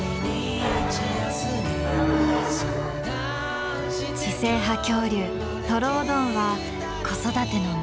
知性派恐竜トロオドンは子育ての真っ最中。